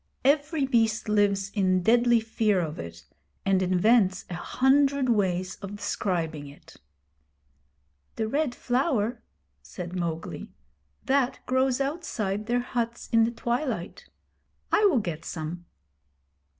Every beast lives in deadly fear of it, and invents a hundred ways of describing it. 'The Red Flower?' said Mowgli. 'That grows outside their huts in the twilight. I will get some.'